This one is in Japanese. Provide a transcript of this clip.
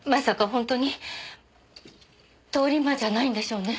本当に通り魔じゃないんでしょうね？